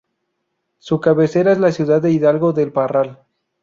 Su cabecera es la ciudad de Hidalgo del Parral.